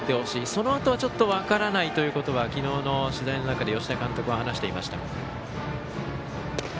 そのあとは分からないということは昨日の取材の中で吉田監督は話していました。